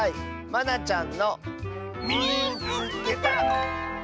まなちゃん